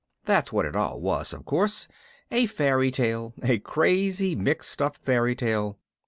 That's what it all was, of course, a fairy tale a crazy mixed up fairy tale.